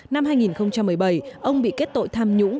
năm hai nghìn một mươi bảy ông bị kết tội tham nhũng